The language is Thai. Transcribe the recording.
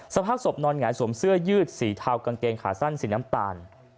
สภาพศพนอนหงายสวมเสื้อยืดสีเทากางเกงขาสั้นสีน้ำตาล